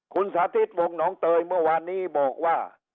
คุณสาธิตวงหนองเตยเมื่อวานนี้บอกว่า